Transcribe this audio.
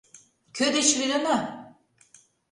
Кӧ деч лӱдына?